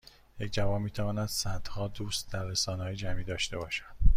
یک جوان میتواند صدها دوست در رسانههای جمعی داشته باشد